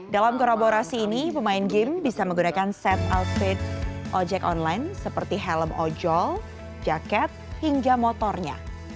dalam kolaborasi ini pemain game bisa menggunakan set outfit ojek online seperti helm ojol jaket hingga motornya